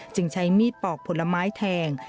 ใช้มีดปอกผลไม้แทง